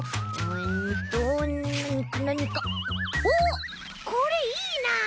おっこれいいな！